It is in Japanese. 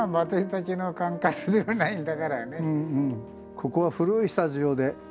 ここは古いスタジオで。